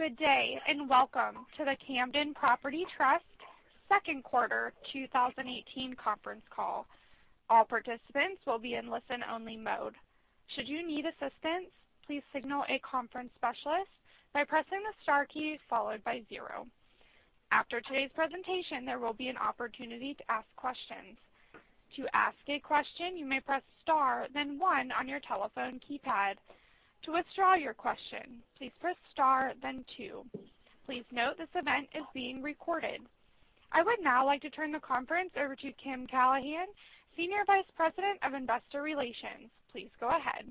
Good day, welcome to the Camden Property Trust second quarter 2018 conference call. All participants will be in listen-only mode. Should you need assistance, please signal a conference specialist by pressing the star key followed by 0. After today's presentation, there will be an opportunity to ask questions. To ask a question, you may press star then one on your telephone keypad. To withdraw your question, please press star then two. Please note this event is being recorded. I would now like to turn the conference over to Kimberly Callahan, Senior Vice President of Investor Relations. Please go ahead.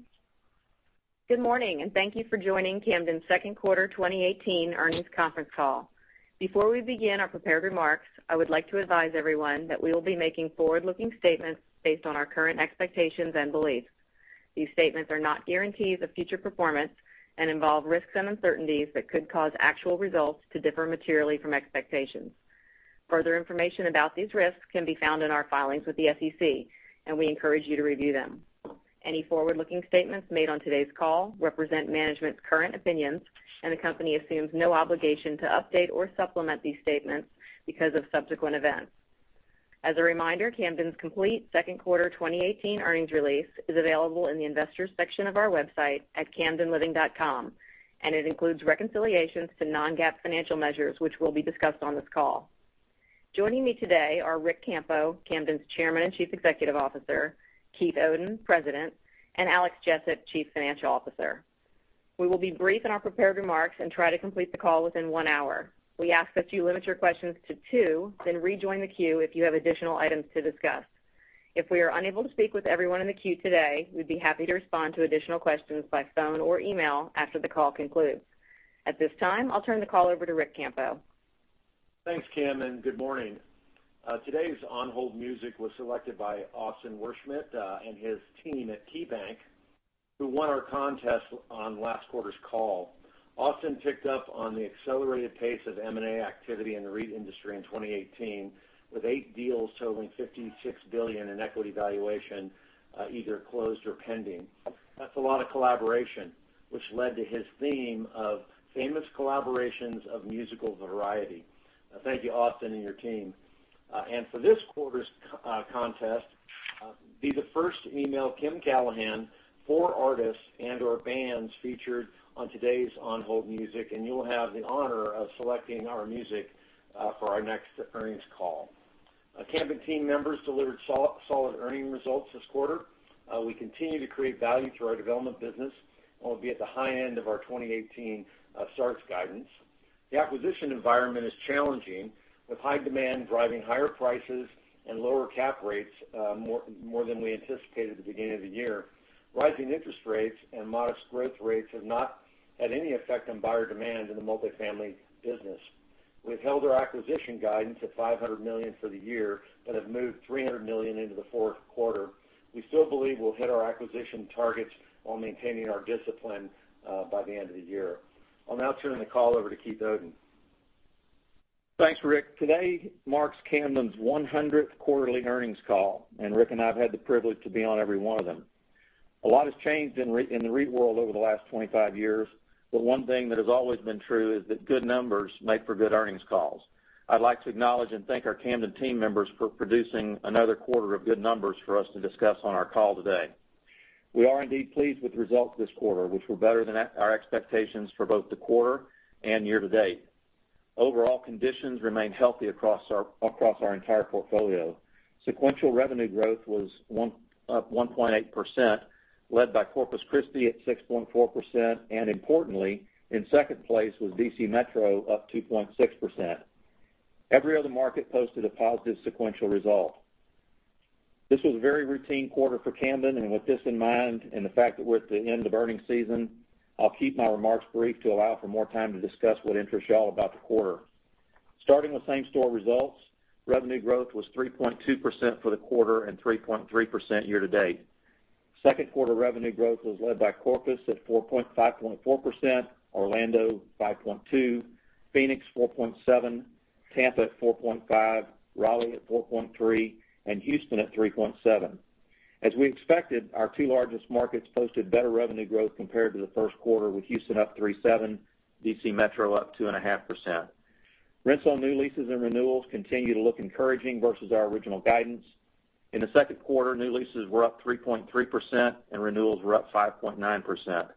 Good morning, thank you for joining Camden's second quarter 2018 earnings conference call. Before we begin our prepared remarks, I would like to advise everyone that we will be making forward-looking statements based on our current expectations and beliefs. These statements are not guarantees of future performance and involve risks and uncertainties that could cause actual results to differ materially from expectations. Further information about these risks can be found in our filings with the SEC. We encourage you to review them. Any forward-looking statements made on today's call represent management's current opinions. The company assumes no obligation to update or supplement these statements because of subsequent events. As a reminder, Camden's complete second quarter 2018 earnings release is available in the investors section of our website at camdenliving.com, and it includes reconciliations to non-GAAP financial measures, which will be discussed on this call. Joining me today are Ric Campo, Camden's Chairman and Chief Executive Officer, Keith Oden, President, and Alex Jessett, Chief Financial Officer. We will be brief in our prepared remarks and try to complete the call within one hour. We ask that you limit your questions to two. Rejoin the queue if you have additional items to discuss. If we are unable to speak with everyone in the queue today, we'd be happy to respond to additional questions by phone or email after the call concludes. At this time, I'll turn the call over to Ric Campo. Thanks, Kim, good morning. Today's on-hold music was selected by Austin Wurschmidt, and his team at KeyBanc, who won our contest on last quarter's call. Austin picked up on the accelerated pace of M&A activity in the REIT industry in 2018, with eight deals totaling $56 billion in equity valuation, either closed or pending. That's a lot of collaboration, which led to his theme of famous collaborations of musical variety. Thank you, Austin and your team. For this quarter's contest, be the first to email Kim Callahan four artists and/or bands featured on today's on-hold music. You will have the honor of selecting our music for our next earnings call. Camden team members delivered solid earning results this quarter. We continue to create value through our development business and will be at the high end of our 2018 starts guidance. The acquisition environment is challenging, with high demand driving higher prices and lower cap rates more than we anticipated at the beginning of the year. Rising interest rates and modest growth rates have not had any effect on buyer demand in the multifamily business. We've held our acquisition guidance at $500 million for the year but have moved $300 million into the fourth quarter. We still believe we'll hit our acquisition targets while maintaining our discipline by the end of the year. I'll now turn the call over to Keith Oden. Thanks, Ric. Today marks Camden's 100th quarterly earnings call, Ric and I have had the privilege to be on every one of them. One thing that has always been true is that good numbers make for good earnings calls. I'd like to acknowledge and thank our Camden team members for producing another quarter of good numbers for us to discuss on our call today. We are indeed pleased with the results this quarter, which were better than our expectations for both the quarter and year-to-date. Overall conditions remain healthy across our entire portfolio. Sequential revenue growth was up 1.8%, led by Corpus Christi at 6.4%, Importantly, in second place was D.C. Metro, up 2.6%. Every other market posted a positive sequential result. This was a very routine quarter for Camden. With this in mind and the fact that we're at the end of earnings season, I'll keep my remarks brief to allow for more time to discuss what interests you all about the quarter. Starting with same-store results, revenue growth was 3.2% for the quarter and 3.3% year-to-date. Second quarter revenue growth was led by Corpus at 4.4%, Orlando 5.2%, Phoenix 4.7%, Tampa at 4.5%, Raleigh at 4.3%, Houston at 3.7%. As we expected, our two largest markets posted better revenue growth compared to the first quarter, with Houston up 3.7%, D.C. Metro up 2.5%. Rents on new leases and renewals continue to look encouraging versus our original guidance. In the second quarter, new leases were up 3.3%, Renewals were up 5.9%.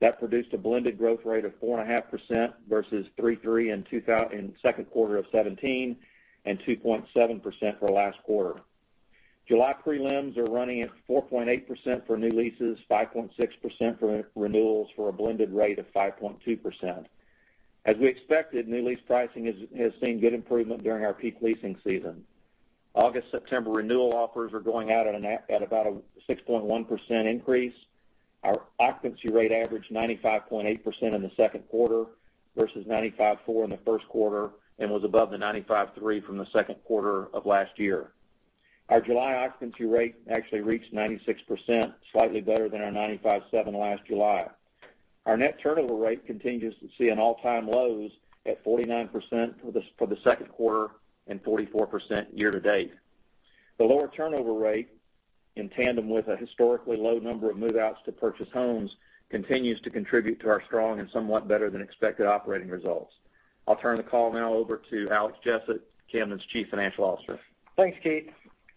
That produced a blended growth rate of 4.5% versus 3.3% in second quarter of 2017 2.7% for last quarter. July prelims are running at 4.8% for new leases, 5.6% for renewals, for a blended rate of 5.2%. As we expected, new lease pricing has seen good improvement during our peak leasing season. August, September renewal offers are going out at about a 6.1% increase. Our occupancy rate averaged 95.8% in the second quarter versus 95.4% in the first quarter and was above the 95.3% from the second quarter of last year. Our July occupancy rate actually reached 96%, slightly better than our 95.7% last July. Our net turnover rate continues to see an all-time lows at 49% for the second quarter and 44% year-to-date. The lower turnover rate in tandem with a historically low number of move-outs to purchase homes continues to contribute to our strong and somewhat better than expected operating results. I'll turn the call now over to Alex Jessett, Camden's Chief Financial Officer. Thanks, Keith.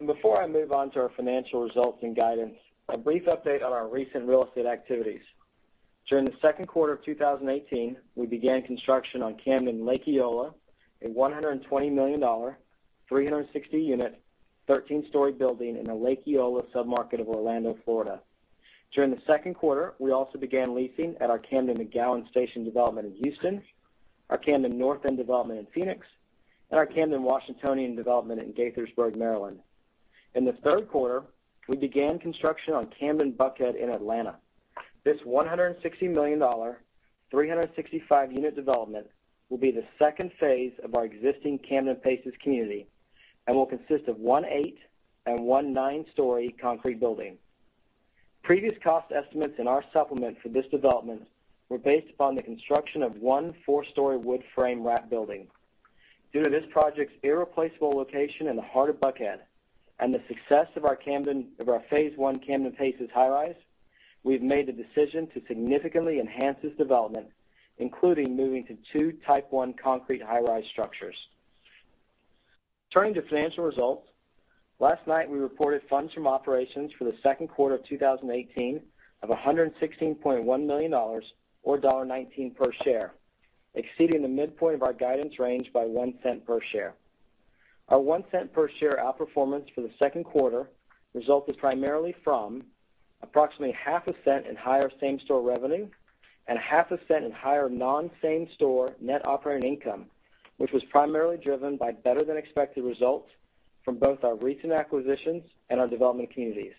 Before I move on to our financial results and guidance, a brief update on our recent real estate activities. During the second quarter of 2018, we began construction on Camden Lake Eola, a $120 million, 360-unit, 13-story building in the Lake Eola submarket of Orlando, Florida. During the second quarter, we also began leasing at our Camden McGowen Station development in Houston, our Camden North End development in Phoenix, and our Camden Washingtonian development in Gaithersburg, Maryland. In the third quarter, we began construction on Camden Buckhead in Atlanta. This $160 million, 365-unit development will be the phase 2 of our existing Camden Paces community and will consist of one eight and one nine-story concrete building. Previous cost estimates in our supplement for this development were based upon the construction of one four-story wood frame wrap building. Due to this project's irreplaceable location in the heart of Buckhead and the success of our phase 1 Camden Paces high-rise, we've made the decision to significantly enhance this development, including moving to two type 1 concrete high-rise structures. Turning to financial results. Last night, we reported funds from operations for the second quarter of 2018 of $116.1 million, or $1.19 per share, exceeding the midpoint of our guidance range by $0.01 per share. Our $0.01 per share outperformance for the second quarter resulted primarily from approximately half a cent in higher same-store revenue and half a cent in higher non-same-store net operating income, which was primarily driven by better than expected results from both our recent acquisitions and our development communities.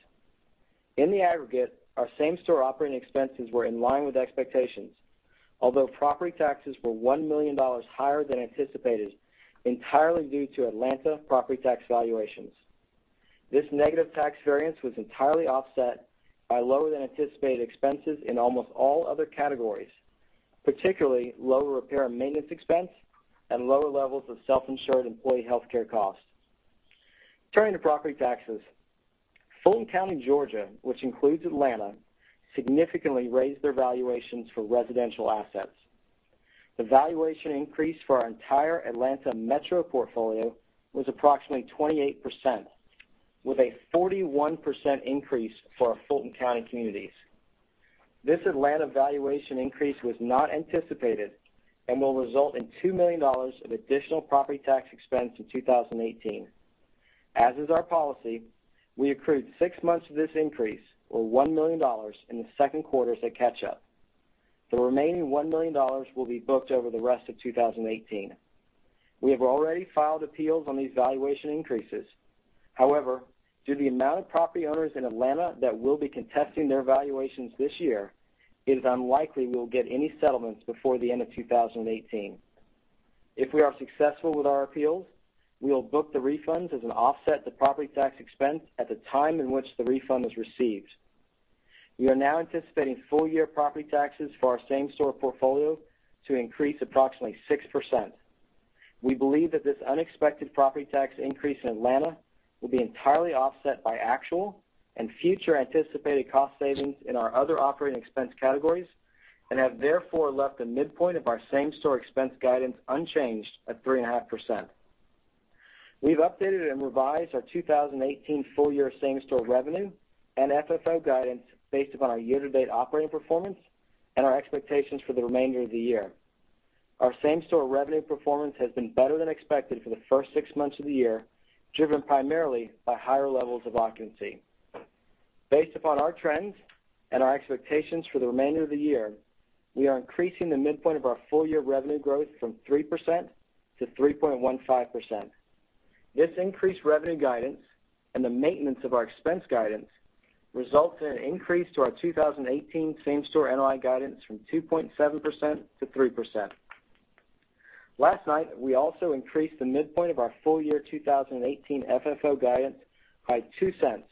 In the aggregate, our same-store operating expenses were in line with expectations. Property taxes were $1 million higher than anticipated, entirely due to Atlanta property tax valuations. This negative tax variance was entirely offset by lower than anticipated expenses in almost all other categories, particularly lower repair and maintenance expense and lower levels of self-insured employee healthcare costs. Turning to property taxes. Fulton County, Georgia, which includes Atlanta, significantly raised their valuations for residential assets. The valuation increase for our entire Atlanta metro portfolio was approximately 28%, with a 41% increase for our Fulton County communities. This Atlanta valuation increase was not anticipated and will result in $2 million of additional property tax expense in 2018. As is our policy, we accrued six months of this increase, or $1 million, in the second quarter as a catch-up. The remaining $1 million will be booked over the rest of 2018. We have already filed appeals on these valuation increases. However, due to the amount of property owners in Atlanta that will be contesting their valuations this year, it is unlikely we will get any settlements before the end of 2018. If we are successful with our appeals, we will book the refunds as an offset to property tax expense at the time in which the refund is received. We are now anticipating full-year property taxes for our same-store portfolio to increase approximately 6%. We believe that this unexpected property tax increase in Atlanta will be entirely offset by actual and future anticipated cost savings in our other operating expense categories and have therefore left the midpoint of our same-store expense guidance unchanged at 3.5%. We've updated and revised our 2018 full-year same-store revenue and FFO guidance based upon our year-to-date operating performance and our expectations for the remainder of the year. Our same-store revenue performance has been better than expected for the first six months of the year, driven primarily by higher levels of occupancy. Based upon our trends and our expectations for the remainder of the year, we are increasing the midpoint of our full-year revenue growth from 3% to 3.15%. This increased revenue guidance and the maintenance of our expense guidance results in an increase to our 2018 same-store NOI guidance from 2.7% to 3%. Last night, we also increased the midpoint of our full-year 2018 FFO guidance by $0.02,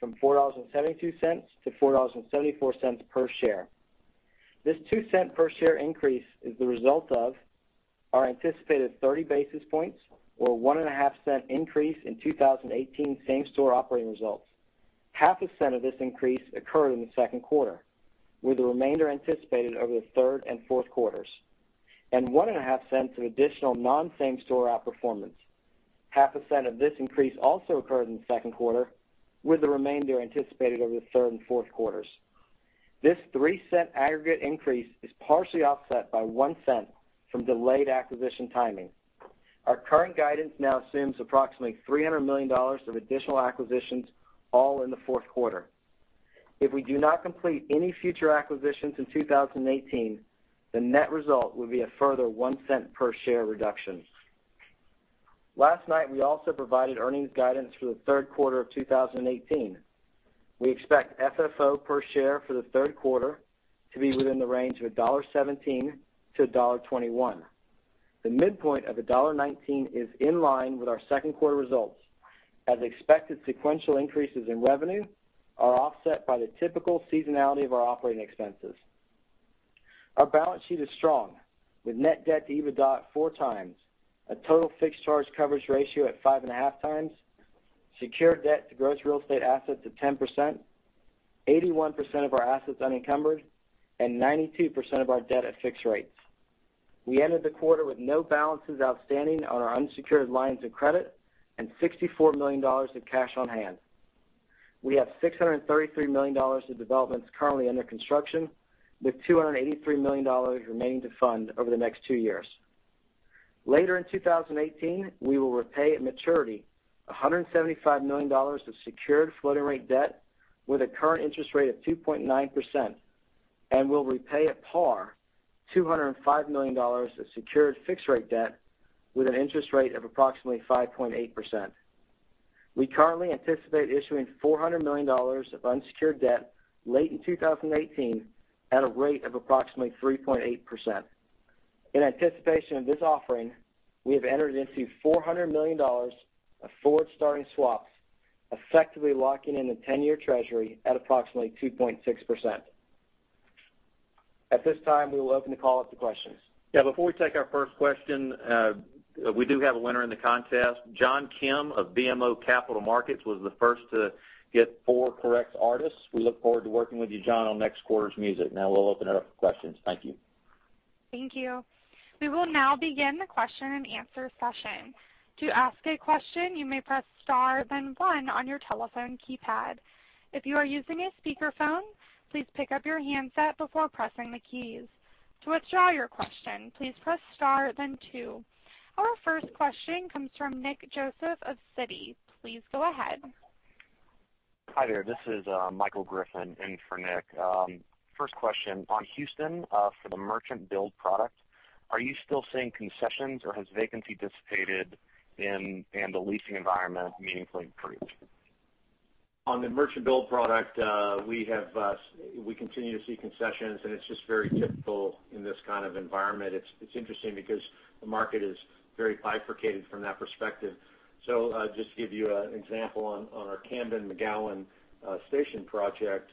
from $4.72 to $4.74 per share. This $0.02 per share increase is the result of our anticipated 30 basis points or $0.015 increase in 2018 same-store operating results. Half a cent of this increase occurred in the second quarter, with the remainder anticipated over the third and fourth quarters, and $0.015 of additional non-same-store outperformance. Half a cent of this increase also occurred in the second quarter, with the remainder anticipated over the third and fourth quarters. This $0.03 aggregate increase is partially offset by $0.01 from delayed acquisition timing. Our current guidance now assumes approximately $300 million of additional acquisitions, all in the fourth quarter. If we do not complete any future acquisitions in 2018, the net result would be a further $0.01 per share reduction. Last night, we also provided earnings guidance for the third quarter of 2018. We expect FFO per share for the third quarter to be within the range of $1.17 to $1.21. The midpoint of $1.19 is in line with our second quarter results, as expected sequential increases in revenue are offset by the typical seasonality of our operating expenses. Our balance sheet is strong, with net debt to EBITDA at four times, a total fixed charge coverage ratio at five and a half times, secured debt to gross real estate assets of 10%, 81% of our assets unencumbered, and 92% of our debt at fixed rates. We ended the quarter with no balances outstanding on our unsecured lines of credit and $64 million of cash on hand. We have $633 million of developments currently under construction, with $283 million remaining to fund over the next two years. Later in 2018, we will repay at maturity $175 million of secured floating rate debt with a current interest rate of 2.9%, and we'll repay at par $205 million of secured fixed rate debt with an interest rate of approximately 5.8%. We currently anticipate issuing $400 million of unsecured debt late in 2018 at a rate of approximately 3.8%. In anticipation of this offering, we have entered into $400 million of forward starting swaps, effectively locking in the 10-year treasury at approximately 2.6%. At this time, we will open the call up to questions. Yeah, before we take our first question, we do have a winner in the contest. John Kim of BMO Capital Markets was the first to get four correct artists. We look forward to working with you, John, on next quarter's music. Now we'll open it up for questions. Thank you. Thank you. We will now begin the question and answer session. To ask a question, you may press star then one on your telephone keypad. If you are using a speakerphone, please pick up your handset before pressing the keys. To withdraw your question, please press star then two. Our first question comes from Nick Joseph of Citi. Please go ahead. Hi there. This is Michael Griffin in for Nick. First question, on Houston, for the merchant build product, are you still seeing concessions or has vacancy dissipated and the leasing environment meaningfully improved? On the merchant build product, we continue to see concessions. It's just very typical in this kind of environment. It's interesting because the market is very bifurcated from that perspective. Just to give you an example, on our Camden McGowen Station project,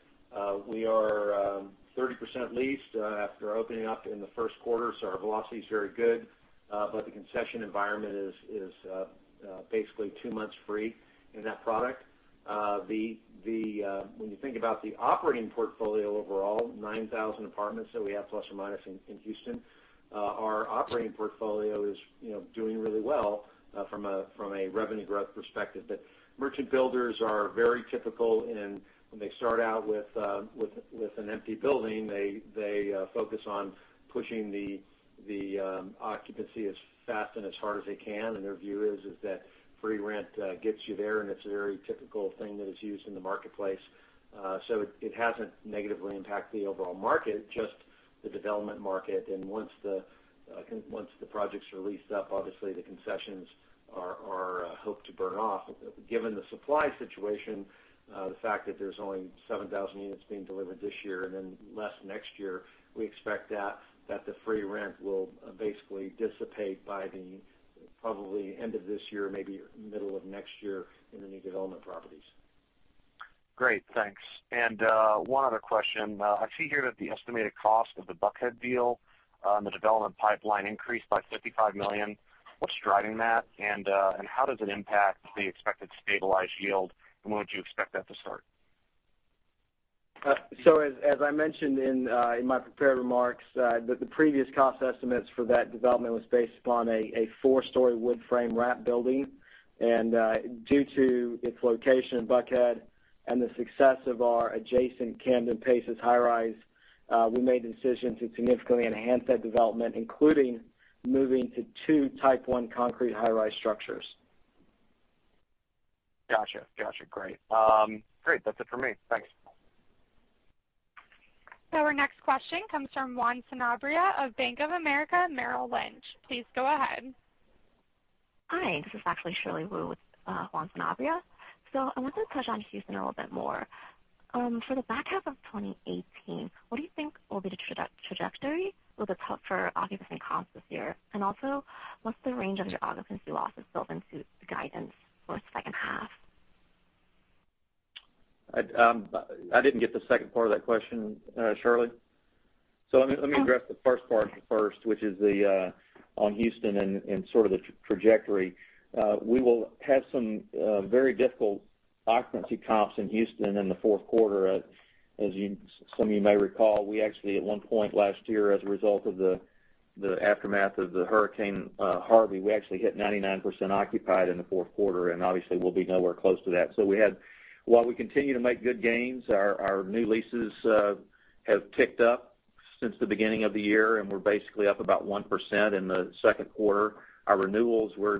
we are 30% leased after opening up in the first quarter. Our velocity is very good. The concession environment is basically two months free in that product. When you think about the operating portfolio overall, 9,000 apartments that we have plus or minus in Houston, our operating portfolio is doing really well from a revenue growth perspective. Merchant builders are very typical in when they start out with an empty building, they focus on pushing the occupancy as fast and as hard as they can. Their view is that free rent gets you there. It's a very typical thing that is used in the marketplace. It hasn't negatively impacted the overall market, just the development market. Once the projects are leased up, obviously the concessions are hoped to burn off. Given the supply situation, the fact that there's only 7,000 units being delivered this year and then less next year, we expect that the free rent will basically dissipate by the probably end of this year, maybe middle of next year in the new development properties. Great. Thanks. One other question. I see here that the estimated cost of the Buckhead deal on the development pipeline increased by $55 million. What's driving that? How does it impact the expected stabilized yield? When would you expect that to start? As I mentioned in my prepared remarks, the previous cost estimates for that development was based upon a four-story wood frame wrap building. Due to its location in Buckhead and the success of our adjacent Camden Paces high-rise, we made the decision to significantly enhance that development, including moving to two type 1 concrete high-rise structures. Got you. Great. That is it for me. Thanks. Our next question comes from Juan Sanabria of Bank of America Merrill Lynch. Please go ahead. Hi, this is actually Shirley Wu with Juan Sanabria. I wanted to touch on Houston a little bit more. For the back half of 2018, what do you think will be the trajectory for the top four occupancy comps this year? Also, what is the range of your occupancy losses built into the guidance for the second half? I did not get the second part of that question, Shirley. Let me address the first part first, which is on Houston and sort of the trajectory. We will have some very difficult occupancy comps in Houston in the fourth quarter. As some of you may recall, we actually at one point last year, as a result of the aftermath of Hurricane Harvey, we actually hit 99% occupied in the fourth quarter, obviously we will be nowhere close to that. While we continue to make good gains, our new leases have ticked up since the beginning of the year, and we are basically up about 1% in the second quarter. Our renewals, we are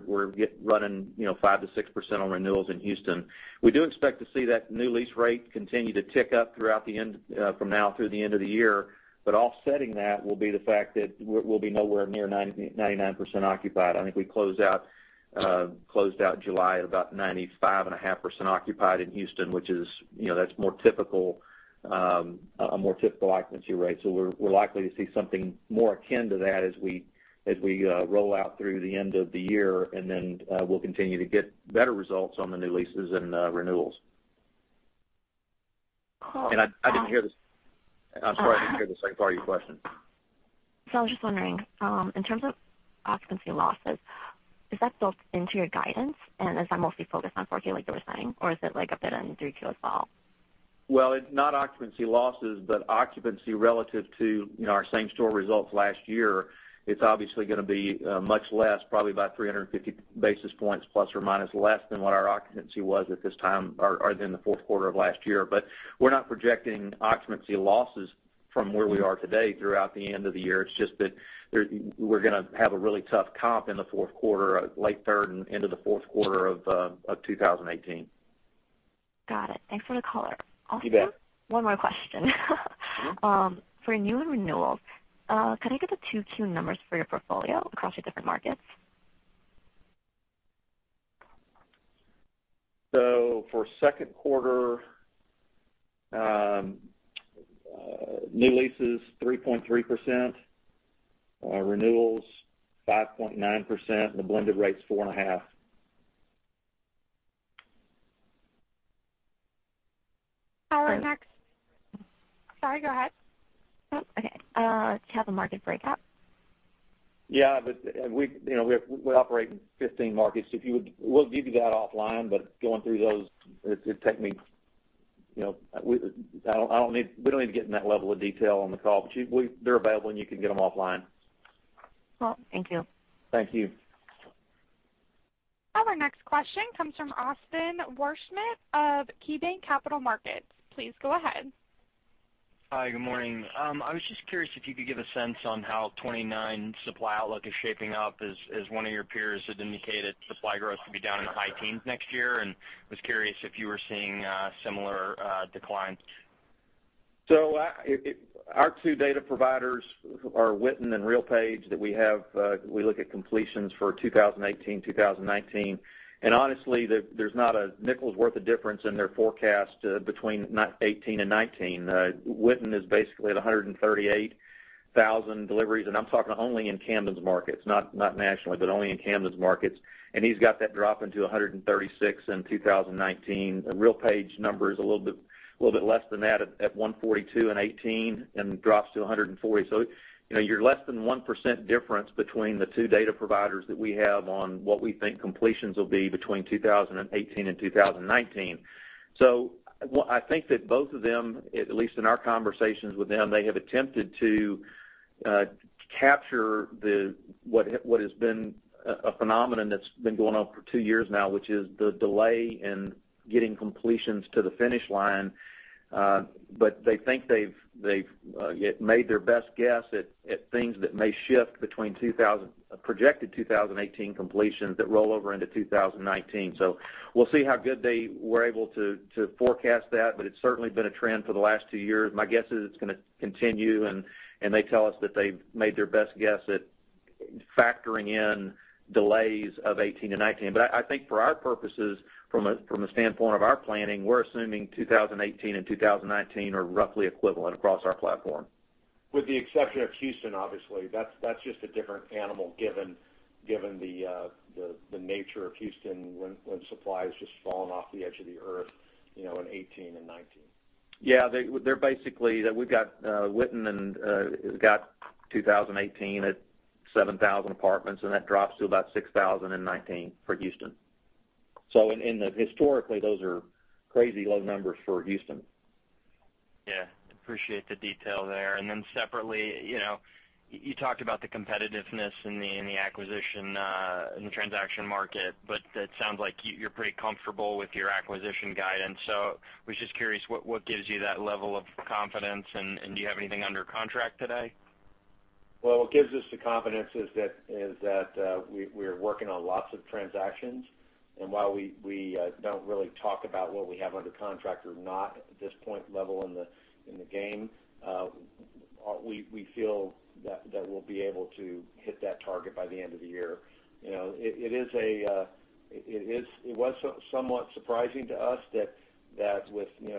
running 5%-6% on renewals in Houston. We do expect to see that new lease rate continue to tick up from now through the end of the year, offsetting that will be the fact that we'll be nowhere near 99% occupied. I think we closed out July at about 95.5% occupied in Houston, which is a more typical occupancy rate. We're likely to see something more akin to that as we roll out through the end of the year, then we'll continue to get better results on the new leases and renewals. I didn't hear the I'm sorry, I didn't hear the second part of your question. I was just wondering, in terms of occupancy losses, is that built into your guidance? Is that mostly focused on 4Q, like you were saying, or is it updated in 3Q as well? Well, it's not occupancy losses, but occupancy relative to our same store results last year. It's obviously going to be much less, probably about 350 basis points, plus or minus, less than what our occupancy was at this time or than the fourth quarter of last year. We're not projecting occupancy losses from where we are today throughout the end of the year. It's just that we're going to have a really tough comp in the fourth quarter, late third and into the fourth quarter of 2018. Got it. Thanks for the color. You bet. One more question. Sure. For new and renewals, can I get the 2Q numbers for your portfolio across your different markets? For second quarter, new leases, 3.3%, renewals, 5.9%, and the blended rate's 4.5%. Our next So- Sorry, go ahead. Oh, okay. Do you have the market breakout? Yeah, we operate in 15 markets. We'll give you that offline, going through those, We don't need to get in that level of detail on the call, they're available, and you can get them offline. Cool. Thank you. Thank you. Our next question comes from Austin Wurschmidt of KeyBanc Capital Markets. Please go ahead. Hi, good morning. I was just curious if you could give a sense on how 2019 supply outlook is shaping up, as one of your peers had indicated supply growth to be down in the high teens next year, and was curious if you were seeing a similar decline. Our two data providers are Witten Advisors and RealPage that we have. We look at completions for 2018-2019, and honestly, there's not a nickel's worth of difference in their forecast between not 2018 and 2019. Witten Advisors is basically at 138,000 deliveries, and I'm talking only in Camden's markets. Not nationally, but only in Camden's markets, and he's got that dropping to 136 in 2019. RealPage number is a little bit less than that at 142 in 2018, and drops to 140. You're less than 1% difference between the two data providers that we have on what we think completions will be between 2018 and 2019. I think that both of them, at least in our conversations with them, they have attempted to capture what has been a phenomenon that's been going on for two years now, which is the delay in getting completions to the finish line. They think they've made their best guess at things that may shift between projected 2018 completions that roll over into 2019. We'll see how good they were able to forecast that, but it's certainly been a trend for the last two years. My guess is it's going to continue, and they tell us that they've made their best guess at factoring in delays of 2018 and 2019. I think for our purposes, from a standpoint of our planning, we're assuming 2018 and 2019 are roughly equivalent across our platform. With the exception of Houston, obviously. That's just a different animal, given the nature of Houston, when supply has just fallen off the edge of the Earth in 2018 and 2019. Yeah. We've got Witten Advisors, and he's got 2018 at 7,000 apartments, and that drops to about 6,000 in 2019 for Houston. historically, those are crazy low numbers for Houston. Yeah. Appreciate the detail there. Separately, you talked about the competitiveness in the acquisition and the transaction market. That sounds like you're pretty comfortable with your acquisition guidance, was just curious, what gives you that level of confidence, and do you have anything under contract today? Well, what gives us the confidence is that we're working on lots of transactions, while we don't really talk about what we have under contract or not at this point level in the game, we feel that we'll be able to hit that target by the end of the year. It was somewhat surprising to us that with the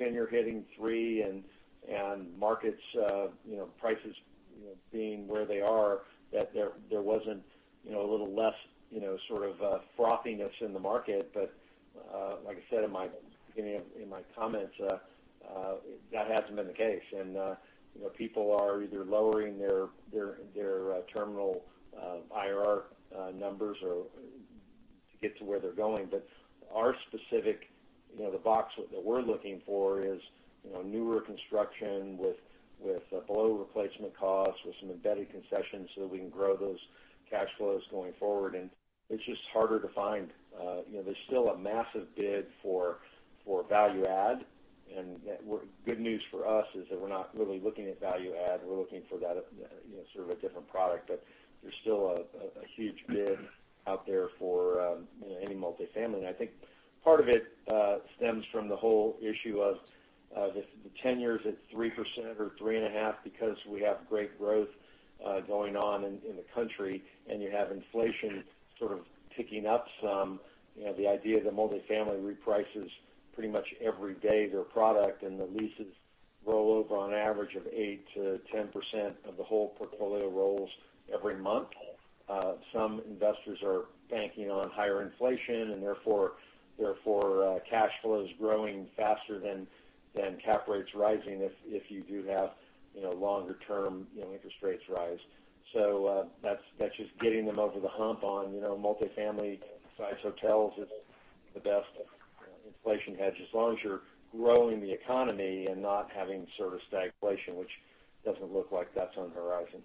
10-year hitting 3% and markets prices being where they are, that there wasn't a little less sort of frothiness in the market. Like I said in my comments, that hasn't been the case. People are either lowering their terminal IRR numbers or to get to where they're going. Our specific The box that we're looking for is newer construction with below replacement cost, with some embedded concessions so that we can grow those cash flows going forward, and it's just harder to find. There's still a massive bid for value add, good news for us is that we're not really looking at value add. We're looking for sort of a different product, there's still a huge bid out there for any multifamily. I think part of it stems from the whole issue of the 10-year's at 3% or 3.5% because we have great growth going on in the country, and you have inflation sort of ticking up some. The idea that multifamily reprices pretty much every day their product and the leases rollover on average of 8%-10% of the whole portfolio rolls every month. Some investors are banking on higher inflation, and therefore, cash flow is growing faster than cap rates rising if you do have longer-term interest rates rise. That's just getting them over the hump on multifamily-size hotels is the best inflation hedge as long as you're growing the economy and not having sort of stagflation, which doesn't look like that's on the horizon.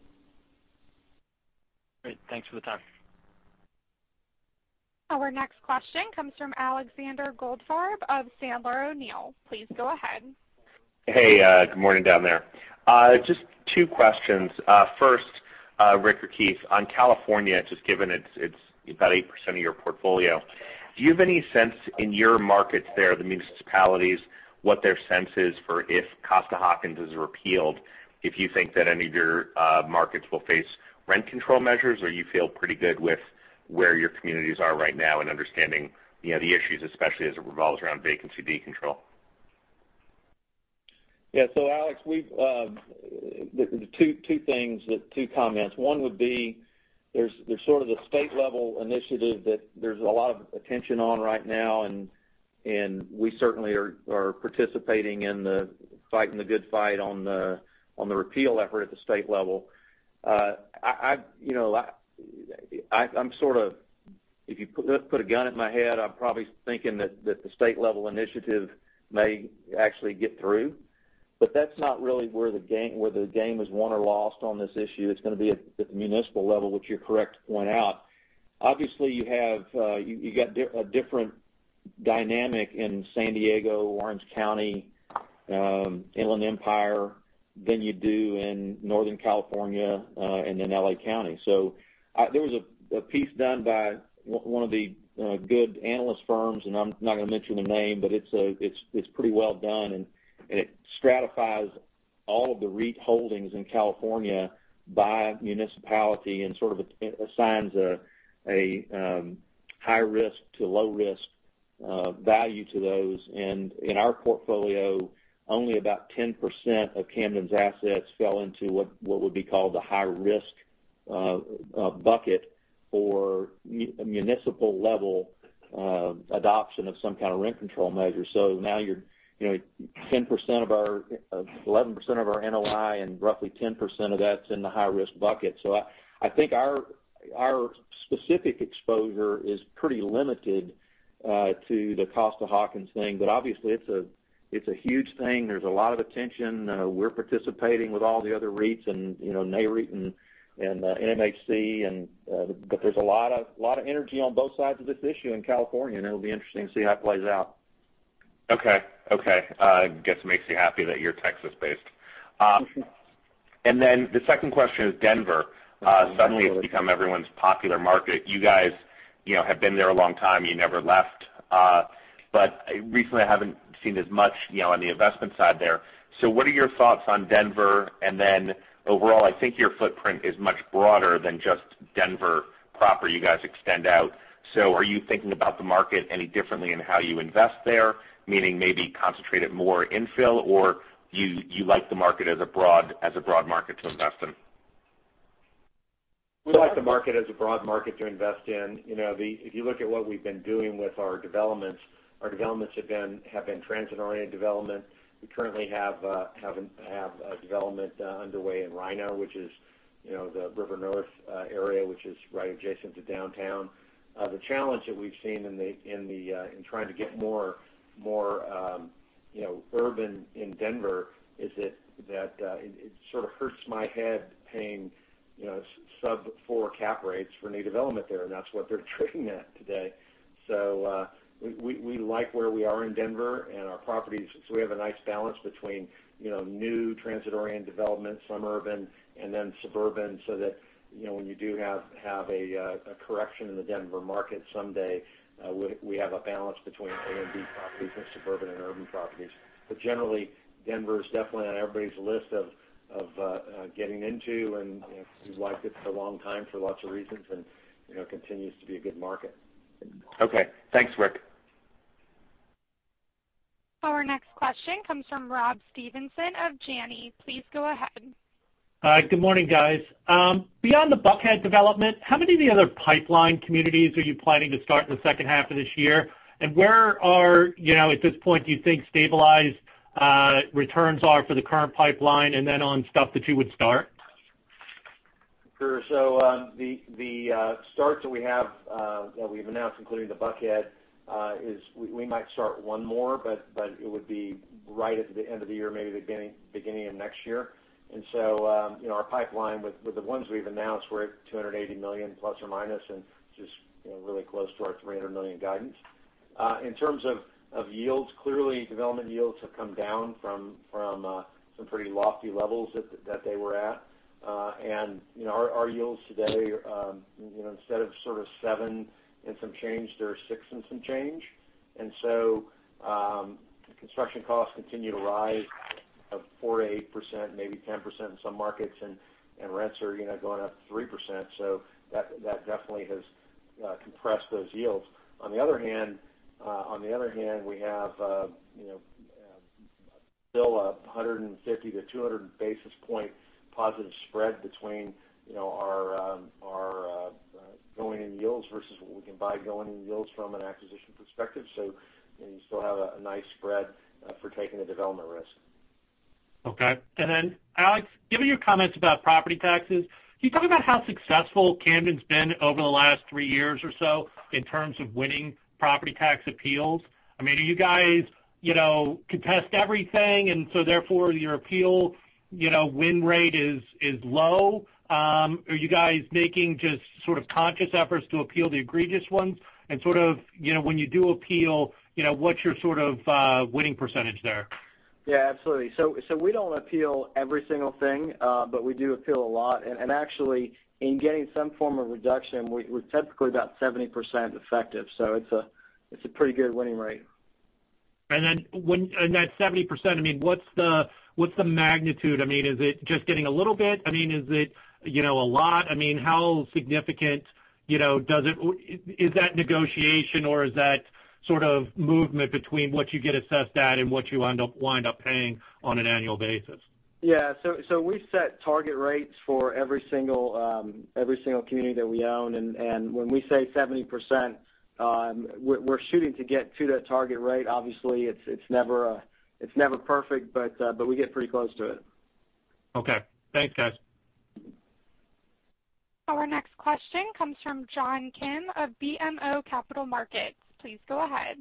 Great. Thanks for the time. Our next question comes from Alexander Goldfarb of Sandler O'Neill. Please go ahead. Hey, good morning down there. Just two questions. First, Ric or Keith, on California, just given it's about 8% of your portfolio, do you have any sense in your markets there, the municipalities, what their sense is for if Costa-Hawkins is repealed? If you think that any of your markets will face rent control measures, or you feel pretty good with where your communities are right now in understanding the issues, especially as it revolves around vacancy decontrol? Yeah. Alex, 2 comments. One would be there's sort of the state-level initiative that there's a lot of attention on right now, and we certainly are participating in the fighting the good fight on the repeal effort at the state level. If you put a gun at my head, I'm probably thinking that the state-level initiative may actually get through, but that's not really where the game is won or lost on this issue. It's going to be at the municipal level, which you're correct to point out. Obviously, you got a different dynamic in San Diego, Orange County, Inland Empire, than you do in Northern California and in L.A. County. There was a piece done by one of the good analyst firms, and I'm not going to mention the name, but it's pretty well done, and it stratifies all of the REIT holdings in California by municipality and sort of assigns a high-risk to low-risk value to those. And in our portfolio, only about 10% of Camden's assets fell into what would be called the high-risk bucket for municipal-level adoption of some kind of rent control measure. Now 11% of our NOI and roughly 10% of that's in the high-risk bucket. I think our specific exposure is pretty limited to the Costa-Hawkins thing. Obviously, it's a huge thing. There's a lot of attention. We're participating with all the other REITs, Nareit, and NMHC, there's a lot of energy on both sides of this issue in California, and it'll be interesting to see how it plays out. Okay. I guess it makes you happy that you're Texas-based. The 2nd question is Denver. Suddenly it's become everyone's popular market. You guys have been there a long time, you never left. Recently I haven't seen as much on the investment side there. What are your thoughts on Denver? Overall, I think your footprint is much broader than just Denver proper, you guys extend out. Are you thinking about the market any differently in how you invest there? Meaning maybe concentrated more infill, or do you like the market as a broad market to invest in? We like the market as a broad market to invest in. If you look at what we've been doing with our developments, our developments have been transit-oriented development. We currently have a development underway in RiNo, which is the River North area, which is right adjacent to downtown. The challenge that we've seen in trying to get more urban in Denver is that it sort of hurts my head paying sub-4 cap rates for new development there, and that's what they're trading at today. We like where we are in Denver and our properties. We have a nice balance between new transit-oriented development, some urban, and then suburban, so that when you do have a correction in the Denver market someday, we have a balance between A and B properties and suburban and urban properties. Generally, Denver is definitely on everybody's list of getting into, and we've liked it for a long time for lots of reasons, and continues to be a good market. Okay. Thanks, Ric. Our next question comes from Rob Stevenson of Janney. Please go ahead. Hi, good morning, guys. Beyond the Buckhead development, how many of the other pipeline communities are you planning to start in the second half of this year? Where are, at this point, do you think stabilized returns are for the current pipeline, and then on stuff that you would start? Sure. The starts that we have that we've announced, including the Buckhead, is we might start one more, but it would be right at the end of the year, maybe the beginning of next year. Our pipeline with the ones we've announced, we're at $280 million plus or minus, and just really close to our $300 million guidance. In terms of yields, clearly, development yields have come down from some pretty lofty levels that they were at. Our yields today, instead of sort of 7 and some change, they're 6 and some change. Construction costs continue to rise of 4%-8%, maybe 10% in some markets, and rents are going up 3%. That definitely has compress those yields. On the other hand, we have still a 150-200 basis point positive spread between our going-in yields versus what we can buy going-in yields from an acquisition perspective. You still have a nice spread for taking the development risk. Okay. Then Alex, given your comments about property taxes, can you talk about how successful Camden's been over the last three years or so in terms of winning property tax appeals? I mean, are you guys contesting everything, therefore your appeal win rate is low? Are you guys making just sort of conscious efforts to appeal the egregious ones and when you do appeal, what's your sort of winning percentage there? Yeah, absolutely. We don't appeal every single thing, but we do appeal a lot. Actually, in getting some form of reduction, we're typically about 70% effective. It's a pretty good winning rate. That 70%, what's the magnitude? I mean, is it just getting a little bit? Is it a lot? How significant is that negotiation or is that sort of movement between what you get assessed at and what you wind up paying on an annual basis? Yeah. We set target rates for every single community that we own. When we say 70%, we're shooting to get to that target rate. Obviously, it's never perfect, but we get pretty close to it. Okay. Thanks, guys. Our next question comes from John Kim of BMO Capital Markets. Please go ahead.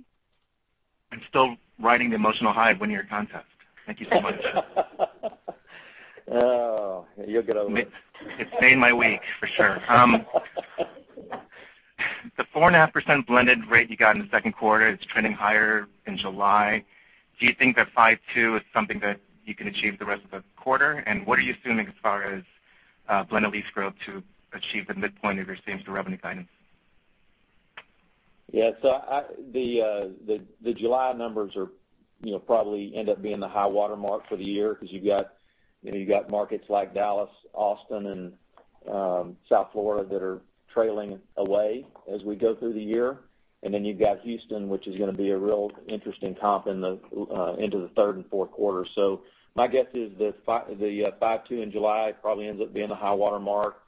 I'm still riding the emotional high of winning your contest. Thank you so much. Oh, you'll get over it. It's made my week, for sure. The 4.5% blended rate you got in the second quarter is trending higher in July. Do you think that 5.2% is something that you can achieve the rest of the quarter? What are you assuming as far as blended lease growth to achieve the midpoint of your same store revenue guidance? The July numbers probably end up being the high watermark for the year because you've got markets like Dallas, Austin, and South Florida that are trailing away as we go through the year. Then you've got Houston, which is going to be a real interesting comp into the third and fourth quarter. My guess is the 5.2% in July probably ends up being the high watermark.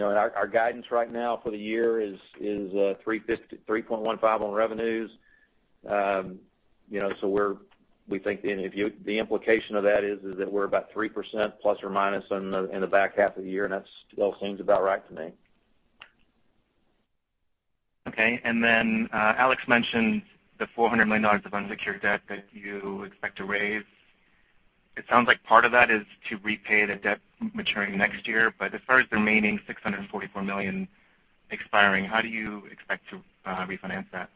Our guidance right now for the year is 3.15% on revenues. We think the implication of that is that we're about 3%, plus or minus, in the back half of the year, and that still seems about right to me. Okay. Alex mentioned the $400 million of unsecured debt that you expect to raise. It sounds like part of that is to repay the debt maturing next year. As far as the remaining $644 million expiring, how do you expect to refinance that?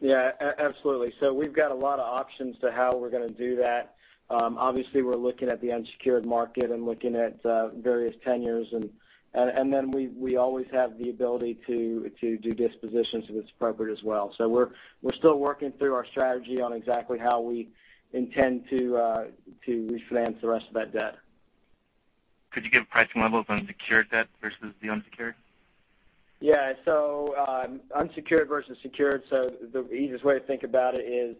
Yeah, absolutely. We've got a lot of options to how we're going to do that. Obviously, we're looking at the unsecured market and looking at various tenures, and then we always have the ability to do dispositions if it's appropriate as well. We're still working through our strategy on exactly how we intend to refinance the rest of that debt. Could you give pricing levels on secured debt versus the unsecured? Yeah. Unsecured versus secured. The easiest way to think about it is,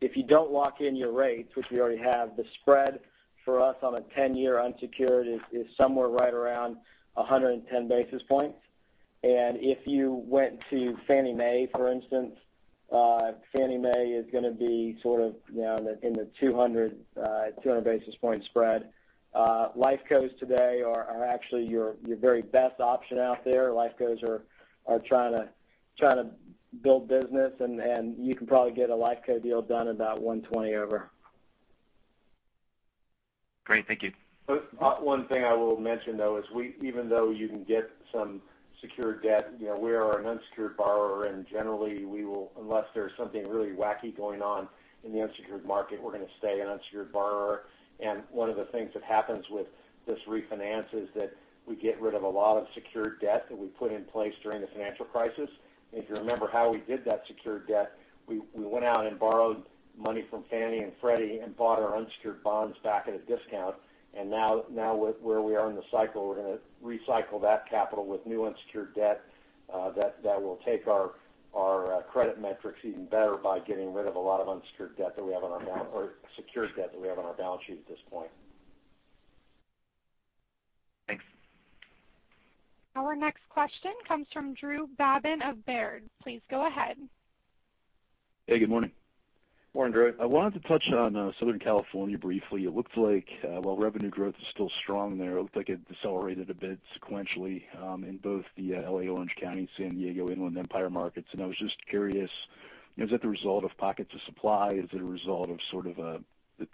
if you don't lock in your rates, which we already have, the spread for us on a 10-year unsecured is somewhere right around 110 basis points. If you went to Fannie Mae, for instance, Fannie Mae is going to be sort of in the 200 basis point spread. Life Cos today are actually your very best option out there. Life Cos are trying to build business, you can probably get a Life Co deal done about 120 over. Great. Thank you. One thing I will mention, though, is even though you can get some secured debt, we are an unsecured borrower. Generally, unless there's something really wacky going on in the unsecured market, we're going to stay an unsecured borrower. One of the things that happens with this refinance is that we get rid of a lot of secured debt that we put in place during the financial crisis. If you remember how we did that secured debt, we went out and borrowed money from Fannie and Freddie and bought our unsecured bonds back at a discount. Now where we are in the cycle, we're going to recycle that capital with new unsecured debt that will take our credit metrics even better by getting rid of a lot of secured debt that we have on our balance sheet at this point. Thanks. Our next question comes from Drew Babin of Baird. Please go ahead. Hey, good morning. Morning, Drew. I wanted to touch on Southern California briefly. It looks like while revenue growth is still strong there, it looks like it decelerated a bit sequentially in both the L.A., Orange County, San Diego, Inland Empire markets. I was just curious, is that the result of pockets of supply? Is it a result of sort of the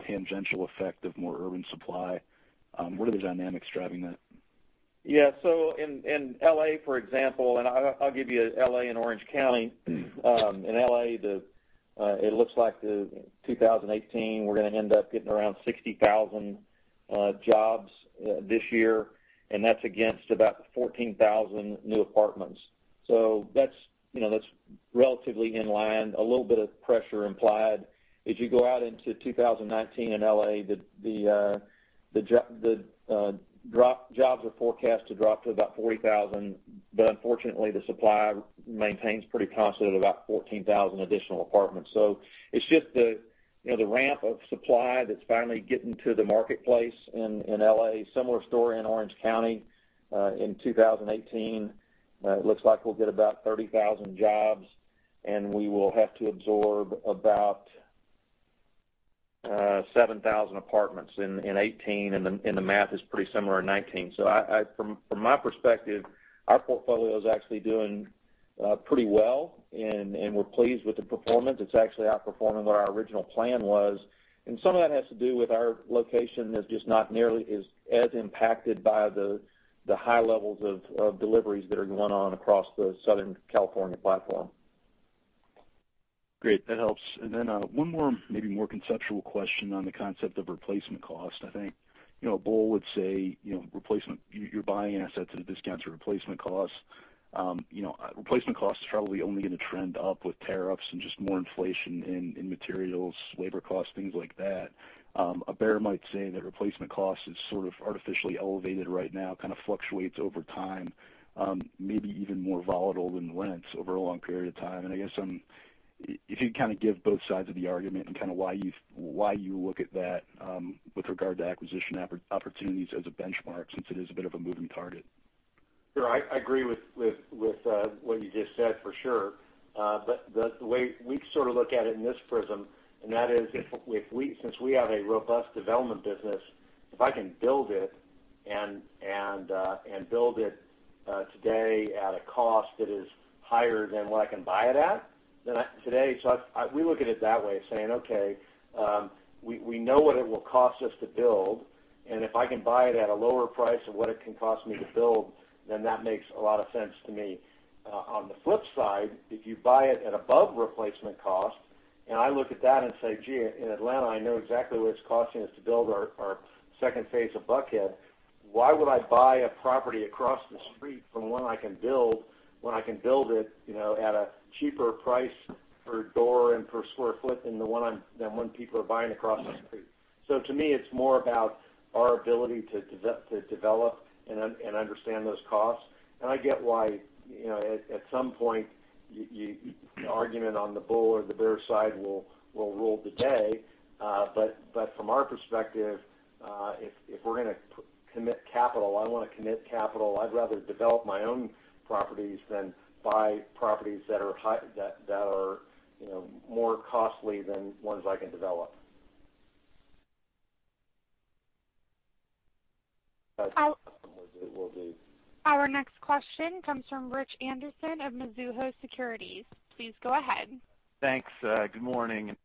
tangential effect of more urban supply? What are the dynamics driving that? Yeah. In L.A., for example, and I'll give you L.A. and Orange County. In L.A., it looks like 2018, we're going to end up getting around 60,000 jobs this year, and that's against about 14,000 new apartments, relatively in line, a little bit of pressure implied. As you go out into 2019 in L.A., the jobs are forecast to drop to about 40,000. Unfortunately, the supply maintains pretty constant at about 14,000 additional apartments. It's just the ramp of supply that's finally getting to the marketplace in L.A. Similar story in Orange County. In 2018, it looks like we'll get about 30,000 jobs, and we will have to absorb about 7,000 apartments in 2018, and the math is pretty similar in 2019. From my perspective, our portfolio is actually doing pretty well, and we're pleased with the performance. It's actually outperforming what our original plan was. Some of that has to do with our location that's just not nearly as impacted by the high levels of deliveries that are going on across the Southern California platform. Great. That helps. Then one more, maybe more conceptual question on the concept of replacement cost. I think a bull would say, you're buying assets at a discount to replacement cost. Replacement cost is probably only going to trend up with tariffs and just more inflation in materials, labor costs, things like that. A bear might say that replacement cost is sort of artificially elevated right now, kind of fluctuates over time, maybe even more volatile than rents over a long period of time. I guess, if you give both sides of the argument and why you look at that with regard to acquisition opportunities as a benchmark, since it is a bit of a moving target. Sure. I agree with what you just said, for sure. The way we sort of look at it in this prism, that is, since we have a robust development business, if I can build it today at a cost that is higher than what I can buy it at today. We look at it that way, saying, okay, we know what it will cost us to build, if I can buy it at a lower price of what it can cost me to build, that makes a lot of sense to me. On the flip side, if you buy it at above replacement cost, I look at that and say, gee, in Atlanta, I know exactly what it's costing us to build our second phase of Buckhead. Why would I buy a property across the street from one I can build, when I can build it at a cheaper price per door and per square foot than the one people are buying across the street? To me, it's more about our ability to develop and understand those costs. I get why, at some point, the argument on the bull or the bear side will rule the day. From our perspective, if we're going to commit capital, I want to commit capital, I'd rather develop my own properties than buy properties that are more costly than ones I can develop. Our next question comes from Richard Anderson of Mizuho Securities. Please go ahead. Thanks. Good morning.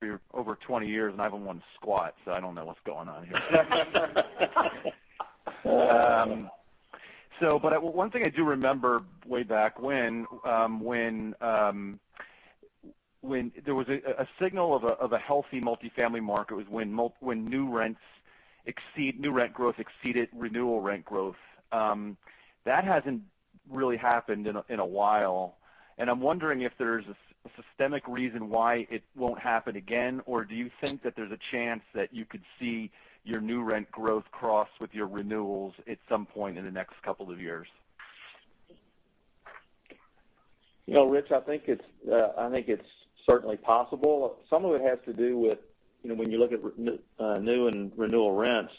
For over 20 years, and I haven't won squat, so I don't know what's going on here. One thing I do remember way back when, there was a signal of a healthy multifamily market was when new rent growth exceeded renewal rent growth. That hasn't really happened in a while, and I'm wondering if there's a systemic reason why it won't happen again, or do you think that there's a chance that you could see your new rent growth cross with your renewals at some point in the next couple of years? Rich, I think it's certainly possible. Some of it has to do with when you look at new and renewal rents,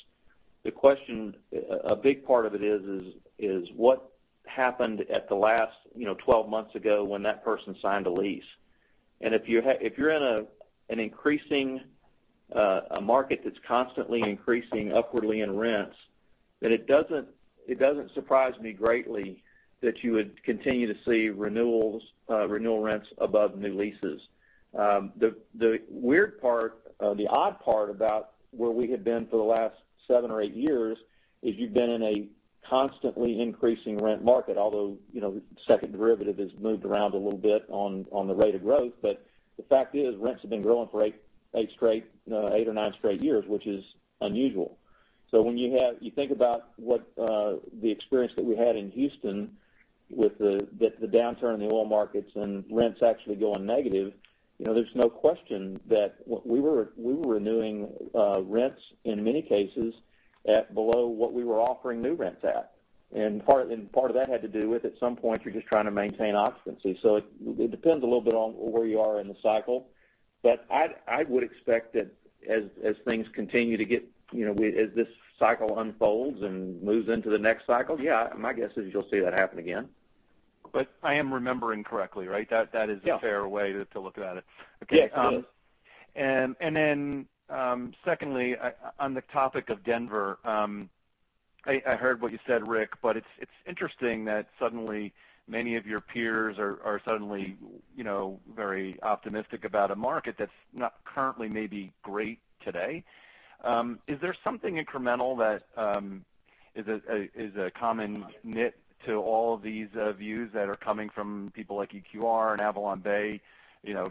a big part of it is what happened at the last 12 months ago when that person signed a lease. If you're in a market that's constantly increasing upwardly in rents, then it doesn't surprise me greatly that you would continue to see renewal rents above new leases. The weird part, the odd part about where we had been for the last seven or eight years, is you've been in a constantly increasing rent market, although, the second derivative has moved around a little bit on the rate of growth. The fact is, rents have been growing for eight or nine straight years, which is unusual. When you think about what the experience that we had in Houston with the downturn in the oil markets and rents actually going negative, there's no question that we were renewing rents, in many cases, at below what we were offering new rents at. Part of that had to do with, at some point, you're just trying to maintain occupancy. It depends a little bit on where you are in the cycle. I would expect that as this cycle unfolds and moves into the next cycle, yeah, my guess is you'll see that happen again. I am remembering correctly, right? Yeah. That is a fair way to look at it. Yes. Okay. Then secondly, on the topic of Denver, I heard what you said, Ric, but it's interesting that suddenly many of your peers are suddenly very optimistic about a market that's not currently maybe great today. Is there something incremental that is a common knit to all of these views that are coming from people like EQR and AvalonBay,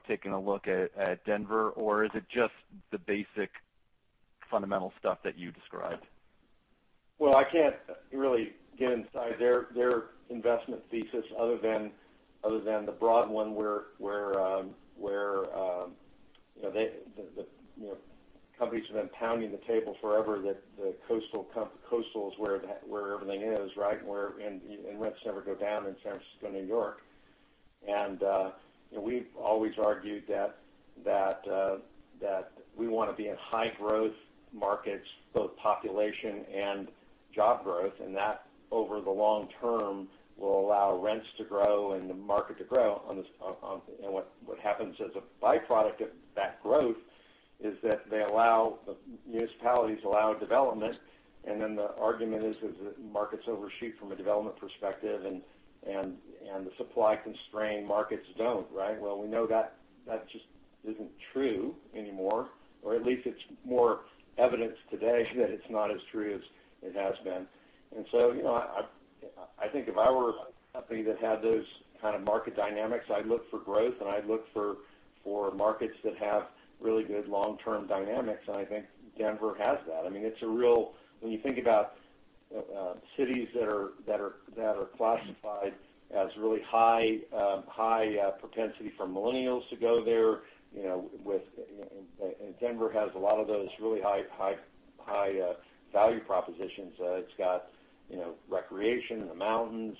taking a look at Denver? Or is it just the basic fundamental stuff that you described? Well, I can't really get inside their investment thesis other than the broad one where the companies have been pounding the table forever that the coastal is where everything is, right, and rents never go down in San Francisco and New York. We've always argued that we want to be in high-growth markets, both population and job growth, and that, over the long term, will allow rents to grow and the market to grow. What happens as a byproduct of that growth is that the municipalities allow development, then the argument is that markets overshoot from a development perspective, and the supply-constrained markets don't, right? Well, we know that just isn't true anymore, or at least there's more evidence today that it's not as true as it has been. I think if I were a company that had those kind of market dynamics, I'd look for growth, and I'd look for markets that have really good long-term dynamics, and I think Denver has that. When you think about cities that are classified as really high propensity for millennials to go there, Denver has a lot of those really high value propositions. It's got recreation in the mountains.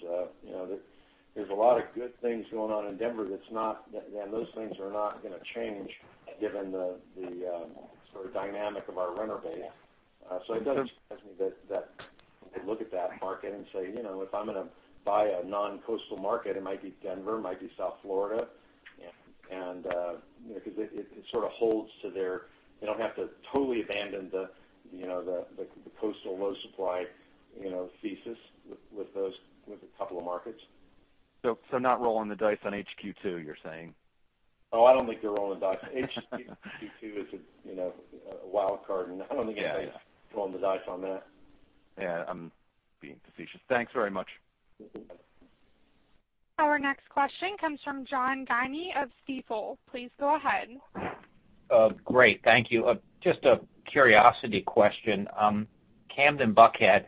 There's a lot of good things going on in Denver, and those things are not going to change given the sort of dynamic of our renter base. It doesn't surprise me that they look at that market and say, if I'm going to buy a non-coastal market, it might be Denver, it might be South Florida, because it sort of holds to their They don't have to totally abandon the coastal low supply thesis with a couple of markets. Not rolling the dice on HQ2, you're saying? I don't think they're rolling the dice. HQ2 is a wild card. Yeah they're rolling the dice on that. Yeah. I'm being facetious. Thanks very much. Our next question comes from John Guinee of Stifel. Please go ahead. Great. Thank you. Just a curiosity question. Camden Buckhead,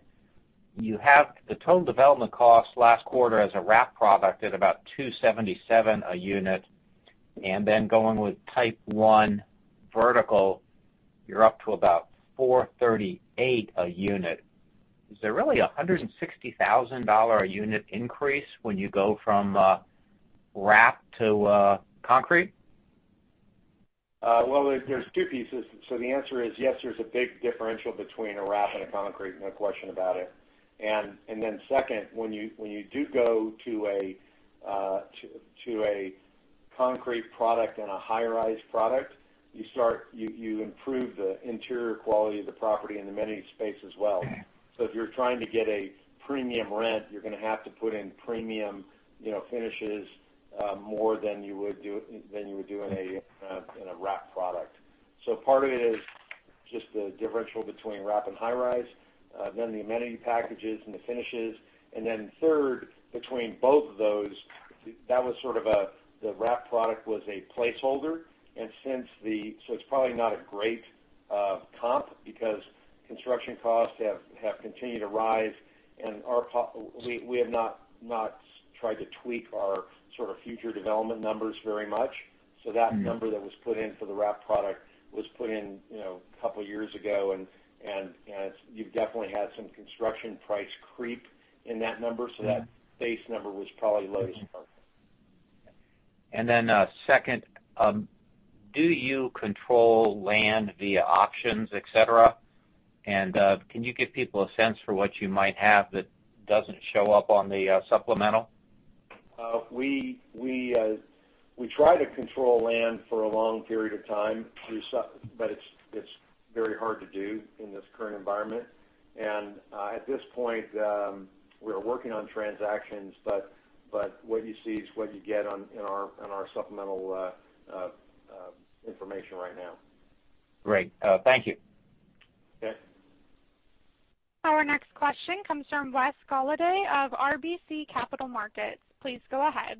you have the total development cost last quarter as a wrap product at about $277 a unit, and then going with type 1 vertical, you're up to about $438 a unit. Is there really a $160,000-a-unit increase when you go from wrap to concrete? There's two pieces. The answer is yes, there's a big differential between a wrap and a concrete, no question about it. Second, when you do go to a concrete product and a high-rise product, you improve the interior quality of the property and amenity space as well. Okay. If you're trying to get a premium rent, you're going to have to put in premium finishes more than you would do in a wrap product. Part of it is just the differential between wrap and high-rise, then the amenity packages and the finishes. Third, between both of those, the wrap product was a placeholder, it's probably not a great comp because construction costs have continued to rise, and we have not tried to tweak our sort of future development numbers very much. That number that was put in for the wrap product was put in a couple of years ago, and you've definitely had some construction price creep in that number, that base number was probably low to start. Second, do you control land via options, et cetera? Can you give people a sense for what you might have that doesn't show up on the supplemental? We try to control land for a long period of time, but it's very hard to do in this current environment. At this point, we're working on transactions, but what you see is what you get in our supplemental information right now. Great. Thank you. Okay. Our next question comes from Wes Golladay of RBC Capital Markets. Please go ahead.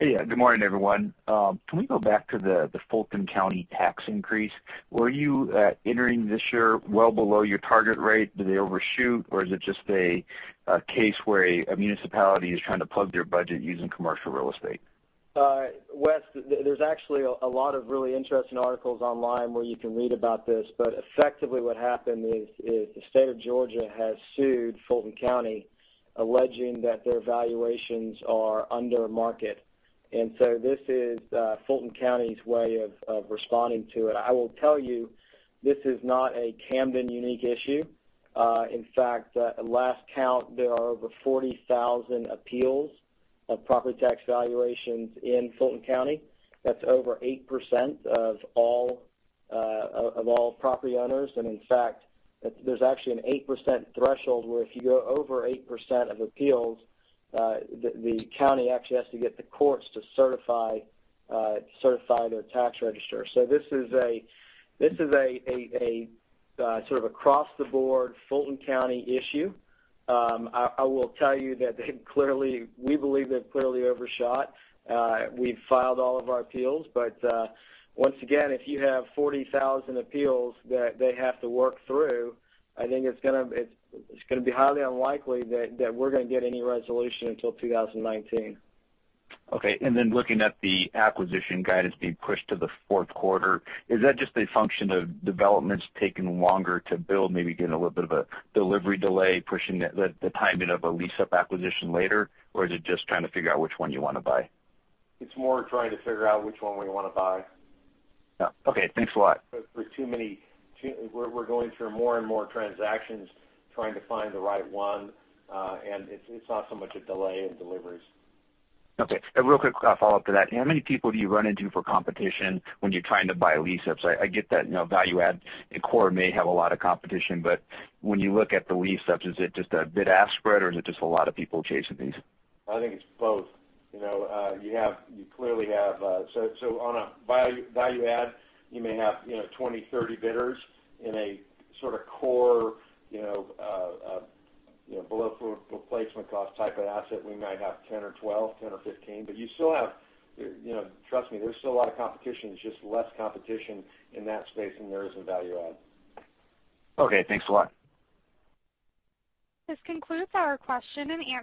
Hey. Good morning, everyone. Can we go back to the Fulton County tax increase? Were you entering this year well below your target rate? Did they overshoot, or is it just a case where a municipality is trying to plug their budget using commercial real estate? Wes, there's actually a lot of really interesting articles online where you can read about this. Effectively, what happened is the State of Georgia has sued Fulton County, alleging that their valuations are under market. This is Fulton County's way of responding to it. I will tell you, this is not a Camden-unique issue. In fact, at last count, there are over 40,000 appeals of property tax valuations in Fulton County. That's over 8% of all property owners. In fact, there's actually an 8% threshold where if you go over 8% of appeals, the county actually has to get the courts to certify their tax register. This is a sort of across-the-board Fulton County issue. I will tell you that we believe they've clearly overshot. We've filed all of our appeals, once again, if you have 40,000 appeals that they have to work through, I think it's going to be highly unlikely that we're going to get any resolution until 2019. Okay. Then looking at the acquisition guidance being pushed to the fourth quarter, is that just a function of developments taking longer to build, maybe getting a little bit of a delivery delay, pushing the timing of a lease-up acquisition later, or is it just trying to figure out which one you want to buy? It's more trying to figure out which one we want to buy. Okay. Thanks a lot. There's too many. We're going through more and more transactions trying to find the right one, and it's not so much a delay in deliveries. Okay. A real quick follow-up to that. How many people do you run into for competition when you're trying to buy lease-ups? I get that value add and core may have a lot of competition, but when you look at the lease-ups, is it just a bid-ask spread, or is it just a lot of people chasing these? I think it's both. On a value add, you may have 20, 30 bidders. In a sort of core below replacement cost type of asset, we might have 10 or 12, 10 or 15. Trust me, there's still a lot of competition. It's just less competition in that space than there is in value add. Okay. Thanks a lot. This concludes our question-and-answer.